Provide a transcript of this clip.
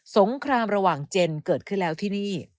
งครามระหว่างเจนเกิดขึ้นแล้วที่นี่